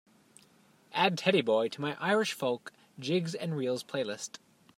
add Teddy Boy to my Irish Folk – Jigs & Reels playlist